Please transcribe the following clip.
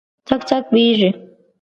څک، څک بهیږې